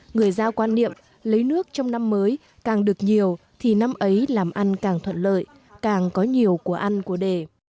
người giao quan niệm lấy nước trong năm mới càng được nhiều thì năm ấy làm ăn càng thuận lợi càng có nhiều của ăn của đề